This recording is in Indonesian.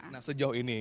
nah sejauh ini